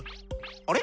あれ？